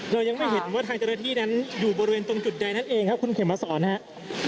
เรายังไม่เห็นว่าทางเจ้าหน้าที่นั้นอยู่บริเวณตรงจุดใดนั่นเองครับคุณเขมมาสอนครับ